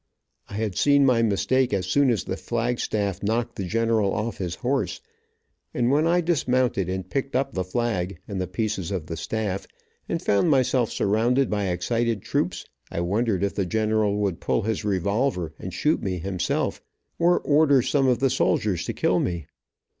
I had seen my mistake as soon as the flag staff knocked the general off his horse, and when I dismounted and picked up the flag, and the pieces of the staff, and found myself surrounded by excited troops, I wondered if the general would pull his revolver and shoot me himself, or order some of the soldiers to kill me.